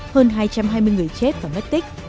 hơn hai trăm hai mươi người chết và mất tích